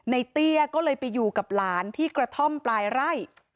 เตี้ยก็เลยไปอยู่กับหลานที่กระท่อมปลายไร่